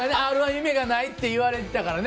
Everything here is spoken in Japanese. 夢がないって言われてたからね。